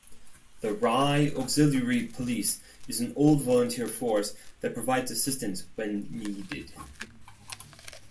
The Rye Auxiliary Police is an all-volunteer force that provides assistance when needed.